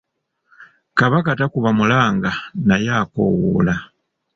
Kabaka takuba mulanga naye akoowoola.